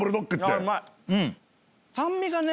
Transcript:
酸味がね。